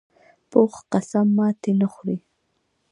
پوخ قسم ماتې نه خوري